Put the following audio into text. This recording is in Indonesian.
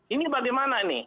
ini bagaimana ini